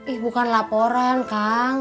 ih bukan laporan kang